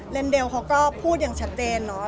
เดลเขาก็พูดอย่างชัดเจนเนาะ